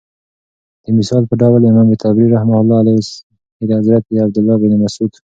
دمثال په ډول امام طبري رحمة الله عليه دحضرت عبدالله بن مسعود